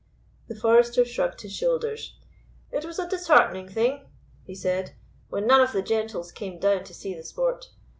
The forester shrugged his shoulders. "It was a disheartening thing," he said, "when none of the gentles came down to see the sport.